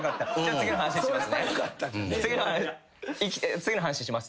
「次の話します」？